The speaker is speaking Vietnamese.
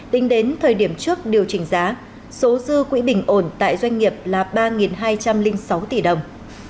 tính đến thời điểm trước điều chỉnh giá số dư quỹ bình ổn tại doanh nghiệp là ba hai trăm linh sáu tỷ đồng